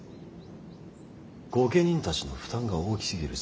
御家人たちの負担が大きすぎる。